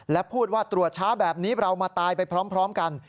และพูดว่าตรวจช้าแบบนี้เรามาตายไปพร้อมกัน